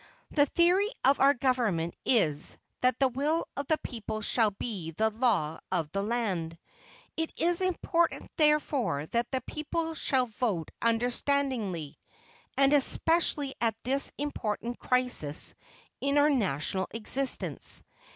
The theory of our government is, that the will of the people shall be the law of the land. It is important, therefore, that the people shall vote understandingly, and especially at this important crisis in our national existence.